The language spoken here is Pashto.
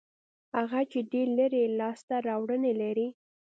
هغه چې ډېر یې لري لاسته راوړنې لري.